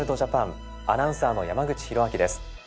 アナウンサーの山口寛明です。